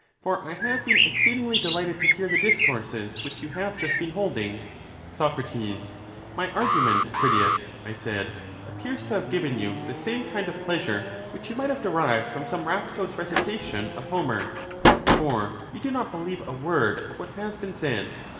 For I have been exceedingly delighted to hear the discourses which you have just been holding. Soc. My argument, Critias .' said), appears to have given you the same kind of pleasure which you might have derived from some rhapsode's recitation of Homer ; for you do not believe a word of what has been said.